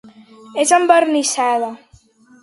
És envernissada.